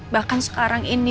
bahkan sekarang ini